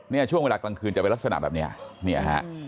เนี่ยช่วงเวลากลางคืนจะไปลักษณะแบบนี้